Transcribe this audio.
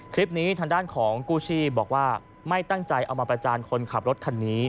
ทางด้านของกู้ชีพบอกว่าไม่ตั้งใจเอามาประจานคนขับรถคันนี้